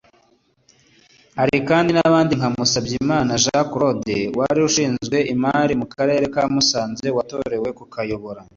Hari kandi n’abandi nka Musabyimana Jean Claude wari ushinzwe imari mu Karere ka Musanze watorewe kukayobora